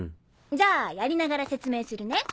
じゃあやりながら説明するね。